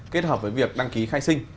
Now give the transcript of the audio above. kết hợp với việc đăng ký khai sinh